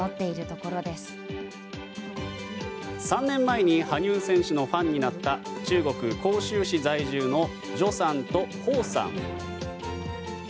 ３年前に羽生選手のファンになった中国・杭州市在住のジョさんとホウさん。